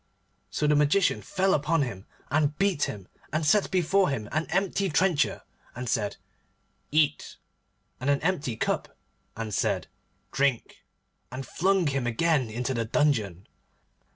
So the Magician fell upon him, and beat him, and set before him an empty trencher, and said, 'Eat,' and an empty cup, and said, 'Drink,' and flung him again into the dungeon.